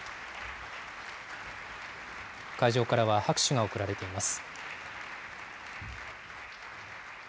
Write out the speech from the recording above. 会場からは拍手が送られています。